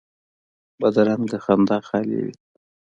بدرنګه خندا خالي وي